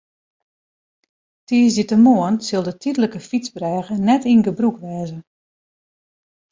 Tiisdeitemoarn sil de tydlike fytsbrêge net yn gebrûk wêze.